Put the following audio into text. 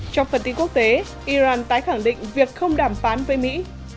trong phần tin quốc tế iran tái khẳng định việc không đàm phán với mỹ